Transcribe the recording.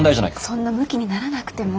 そんなむきにならなくても。